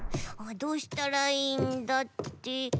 どうしたらいいんだって。